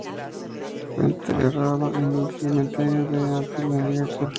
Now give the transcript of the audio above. Fue enterrado en el cementerio de Anfield, en Liverpool.